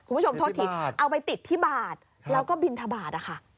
คุณผู้ชมโทษทีเอาไปติดที่บาทแล้วก็บินทบาทค่ะ